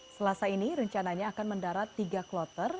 selasa ini rencananya akan mendarat tiga kloter